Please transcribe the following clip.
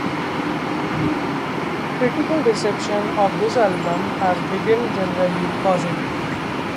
Critical reception of this album has been generally positive.